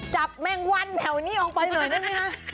จับแมงวันแถวนี้ออกไปหน่อยได้ไหมคะ